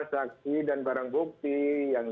saksi dan barang bukti yang